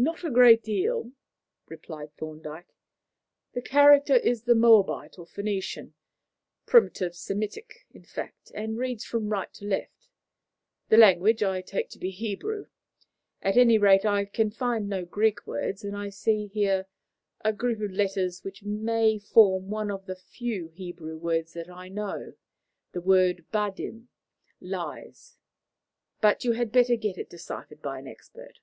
"Not a great deal," replied Thorndyke. "The character is the Moabite or Phoenician primitive Semitic, in fact and reads from right to left. The language I take to be Hebrew. At any rate, I can find no Greek words, and I see here a group of letters which may form one of the few Hebrew words that I know the word badim, 'lies.' But you had better get it deciphered by an expert."